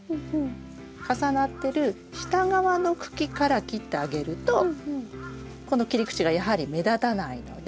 重なってる下側の茎から切ってあげるとこの切り口がやはり目立たないので。